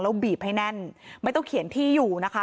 แล้วบีบให้แน่นไม่ต้องเขียนที่อยู่นะคะ